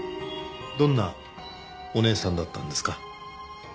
どんなお姉さんだったんですか？